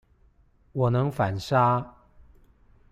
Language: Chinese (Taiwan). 我能反殺